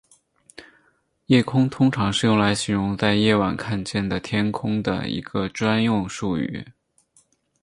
夜空通常是用来形容在夜晚看见的天空的一个专用术语。